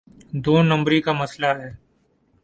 دو نمبری کا مسئلہ ہے۔